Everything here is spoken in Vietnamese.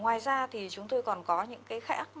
ngoài ra thì chúng tôi còn có những cái khác